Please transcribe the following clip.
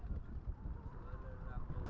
quảng trị đã có biên pháp